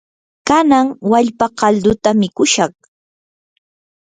kanan wallpa kalduta mikushaq.